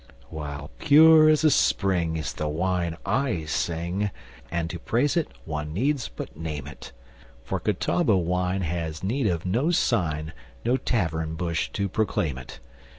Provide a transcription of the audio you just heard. While pure as a spring Is the wine I sing, And to praise it, one needs but name it; For Catawba wine Has need of no sign, No tavern bush to proclaim it.